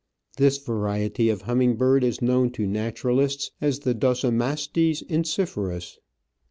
This variety of humming bird is known to naturalists as the Docimastes en si/erus.